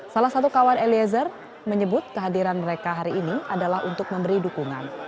salah satu kawan eliezer menyebut kehadiran mereka hari ini adalah untuk memberi dukungan